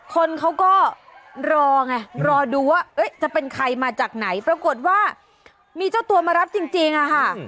คนเขาก็รอไงรอดูว่าจะเป็นใครมาจากไหนปรากฏว่ามีเจ้าตัวมารับจริงอะค่ะ